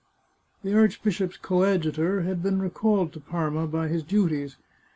The archbishop's coadjutor had been recalled to Parma by his duties.